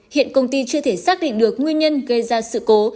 hiện công ty chưa thể xác định được nguyên nhân gây ra sự cố